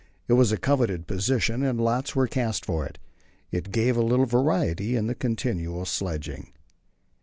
It was a coveted position, and lots were cast for it. It gave a little variety in the continual sledging.